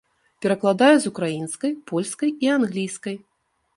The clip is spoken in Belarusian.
Перакладае з украінскай, польскай і англійскай.